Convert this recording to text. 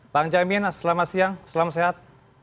bang jamin selamat siang selamat sehat